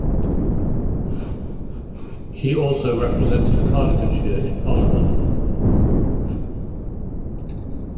He also represented Cardiganshire in Parliament.